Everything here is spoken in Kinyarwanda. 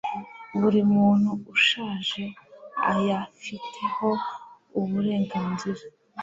buri muntu ushaje ayafiteho uburenganzira